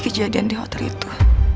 kejadian di hotel itu